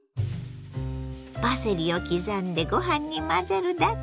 パセリを刻んでご飯に混ぜるだけ！